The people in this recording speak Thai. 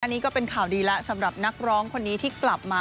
อันนี้ก็เป็นข่าวดีแล้วสำหรับนักร้องคนนี้ที่กลับมา